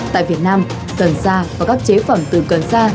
tại việt nam cần da và các chế phẩm từ cần sa